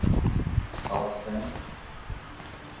Каласем...